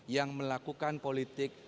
yang melakukan politik